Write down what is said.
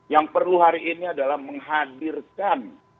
yang perlu hari ini adalah menghadirkan